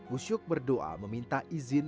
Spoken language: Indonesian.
usyuk berdoa meminta izin